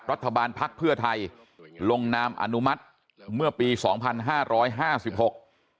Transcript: พักเพื่อไทยลงนามอนุมัติเมื่อปีสองพันห้าร้อยห้าสิบหก